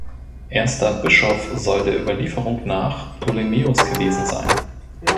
Erster Bischof soll der Überlieferung nach Ptolemäus gewesen sein.